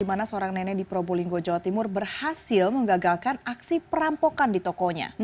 di mana seorang nenek di probolinggo jawa timur berhasil menggagalkan aksi perampokan di tokonya